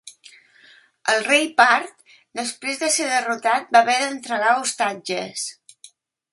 El rei part després de ser derrotat va haver d'entregar ostatges.